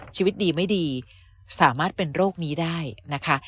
ชีวิตดีไม่ดีสามารถเป็นโรคนี้ได้นะคะ